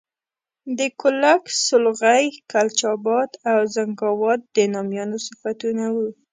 د کُلک، سولغی، کلچ آباد او زنګاوات د نامیانو صفتونه وو.